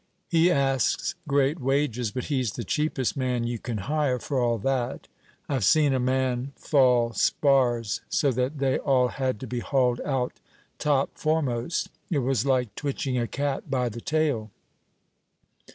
"He asks great wages, but he's the cheapest man you can hire, for all that. I've seen a man fall spars, so that they all had to be hauled out top foremost; it was like twitching a cat by the tail.